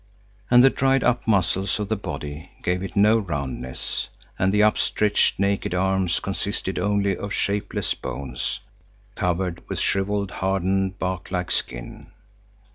And the dried up muscles of the body gave it no roundness, and the upstretched, naked arms consisted only of shapeless bones, covered with shrivelled, hardened, bark like skin.